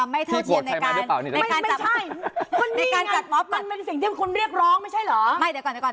ไม่ใช่อันมันมีสิ่งที่คุณเรียกร้องไม่ใช่หรอก